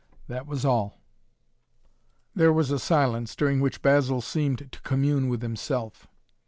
"That was all!" There was a silence during which Basil seemed to commune with himself.